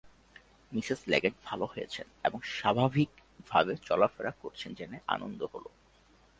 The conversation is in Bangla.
মিসেস লেগেট ভাল হয়েছেন এবং স্বাভাবিক ভাবে চলাফেরা করছেন জেনে আনন্দ হল।